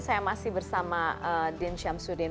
saya masih bersama prof dean syamsudin